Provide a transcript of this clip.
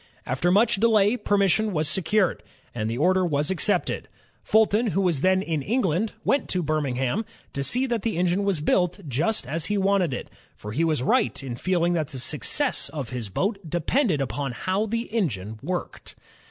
After much delay, permission was secured, and the order was accepted. Fulton, who was then in England, went to Birmingham to see that the engine was built just as he wanted it; for he was right in feeling that the success of his boat de pended upon how the engine worked.